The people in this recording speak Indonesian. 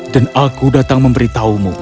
dan aku datang memberitahumu